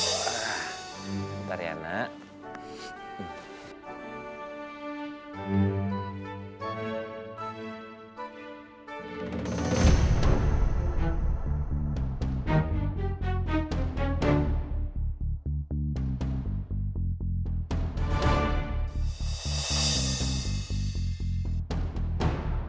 bentar ya nak